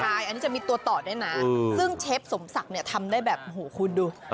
ใช่อันนี้จะมีตัวต่อด้วยนะซึ่งเชฟสมศักดิ์เนี่ยทำได้แบบโอ้โหคุณดู